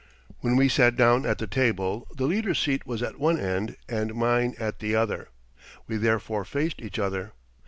When we sat down at the table the leader's seat was at one end and mine at the other. We therefore faced each other.